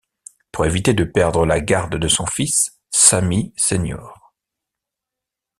Pour éviter de perdre la garde de son fils, Sammy Sr.